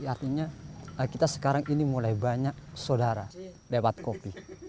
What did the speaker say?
artinya kita sekarang ini mulai banyak saudara lewat kopi